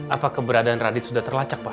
apa keberadaan radit sudah terlacak pak